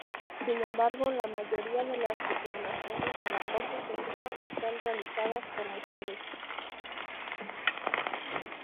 Sin embargo, la mayoría de las reclamaciones de acoso sexual están realizadas por mujeres.